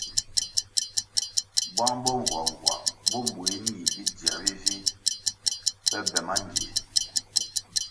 Bwang bo ngoangoa bo mbweh nih bidzioe bivih pe be mangie.